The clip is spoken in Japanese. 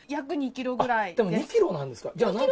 でも２キロなんですか。